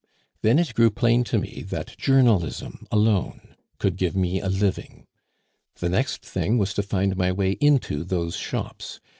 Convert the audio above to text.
Then it grew plain to me that journalism alone could give me a living. The next thing was to find my way into those shops.